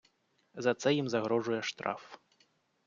За це їм загрожує штраф.